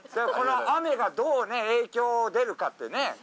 この雨がどう影響出るかってね。